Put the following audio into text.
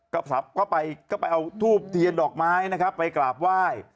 ก็ไปเอาทูปเตียนดอกไม้นะคะไปกราบไหว้